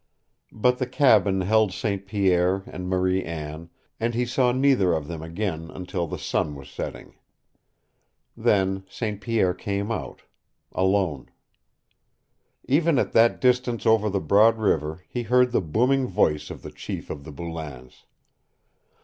But the cabin held St. Pierre and Marie Anne, and he saw neither of them again until the sun was setting. Then St. Pierre came out alone. Even at that distance over the broad river he heard the booming voice of the chief of the Boulains.